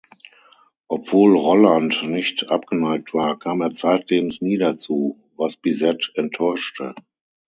Obwohl Rolland nicht abgeneigt war, kam er zeitlebens nie dazu, was Bizet enttäuschte.